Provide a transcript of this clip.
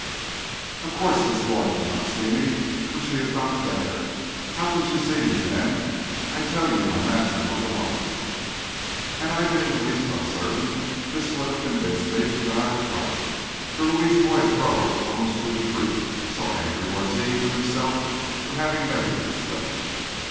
"Of course, Miss Lloyd do not see me for she is not there. How can she see me, then? I tell you my master was alone!" Had I been the least uncertain, this would have convinced me that I was right. For Louis's voice rose almost to a shriek, so angry was he with himself for having made the slip.